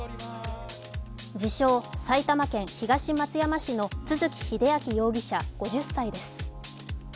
自称・埼玉県東松山市の都築英明容疑者５０歳です。